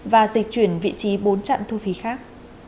và dịch chuyển vị trí bốn trạm thu phí khác